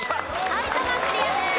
埼玉クリアです。